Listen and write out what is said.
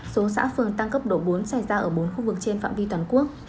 số xã phường tăng cấp độ bốn xảy ra ở bốn khu vực trên phạm vi toàn quốc